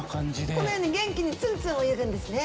このように元気にツンツン泳ぐんですね。